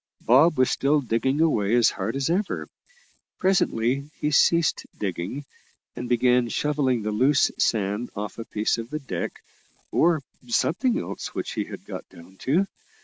Bob was still digging away as hard as ever. Presently he ceased digging, and began shovelling the loose sand off a piece of the deck or something else which he had got down to.